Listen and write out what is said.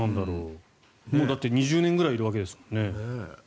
だって、２０年くらいいるわけですもんね。